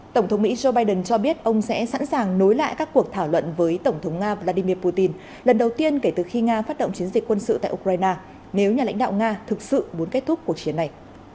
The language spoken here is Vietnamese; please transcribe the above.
tổng thống mỹ joe biden cho biết ông sẽ sẵn sàng nối lại các cuộc thảo luận với tổng thống nga vladimir putin lần đầu tiên kể từ khi nga phát động chiến dịch quân sự tại ukraine nếu nhà lãnh đạo nga thực sự muốn kết thúc cuộc chiến này